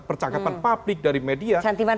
percakapan publik dari media sentimen